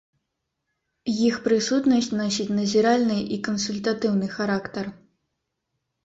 Іх прысутнасць носіць назіральны і кансультатыўны характар.